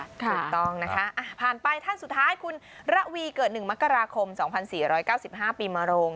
ถูกต้องนะคะผ่านไปท่านสุดท้ายคุณระวีเกิด๑มกราคม๒๔๙๕ปีมาโรง